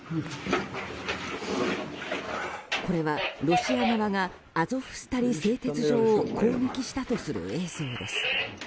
これはロシア側がアゾフスタリ製鉄所を攻撃したとする映像です。